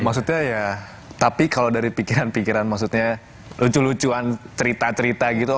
maksudnya ya tapi kalau dari pikiran pikiran maksudnya lucu lucuan cerita cerita gitu